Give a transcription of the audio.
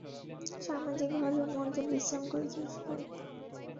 স্বামীজি ঘরের মধ্যে বিশ্রাম করিতেছিলেন।